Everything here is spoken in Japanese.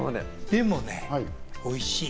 でもね、おいしい。